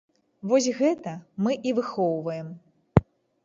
Вось гэта мы і выхоўваем.